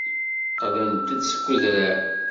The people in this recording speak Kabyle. Qqlent-d seg udrar.